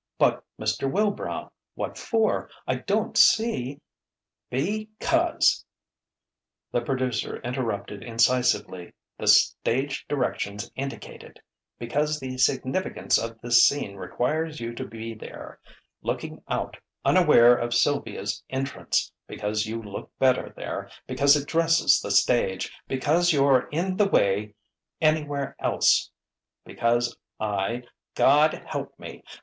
"But, Mr. Wilbrow, what for? I don't see " "Because," the producer interrupted incisively, "the stage directions indicate it; because the significance of this scene requires you to be there, looking out, unaware of Sylvia's entrance; because you look better there; because it dresses the stage; because you're in the way anywhere else; because I God help me!